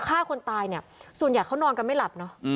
ฆ่าคนตายเนี่ยส่วนใหญ่เขานอนกันไม่หลับเนอะ